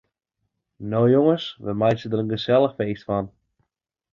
No jonges, no meitsje we der in gesellich feest fan.